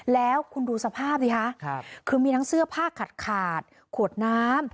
แล้วคุณดูสภาพสิคะคือมีทั้งเสื้อผ้าขาดขวดน้ำ